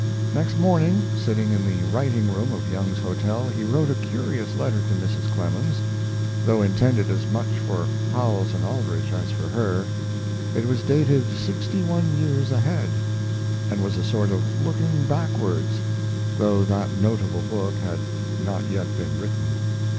Next morning, sitting in the writing room of Young's Hotel, he wrote a curious letter to Mrs. Clemens, though intended as much for Howells and Aldrich as for her. It was dated sixty one years ahead, and was a sort of Looking Backwards, though that notable book had not yet been written.